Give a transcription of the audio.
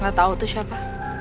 gak tau tuh siapa